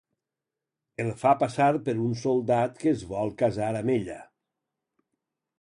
El fa passar per un soldat que es vol casar amb ella.